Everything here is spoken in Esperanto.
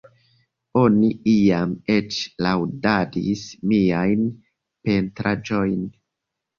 Oni iam eĉ laŭdadis miajn pentraĵojn.